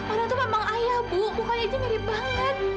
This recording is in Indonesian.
orang itu memang ayah bu bukannya itu mirip banget